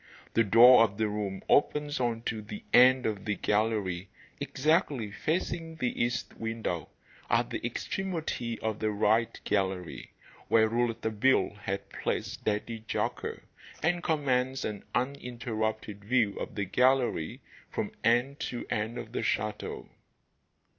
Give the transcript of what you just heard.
The door of the room opens on to the end of the gallery, exactly facing the east window, at the extremity of the 'right' gallery, where Rouletabille had placed Daddy Jacques, and commands an uninterrupted view of the gallery from end to end of the chateau.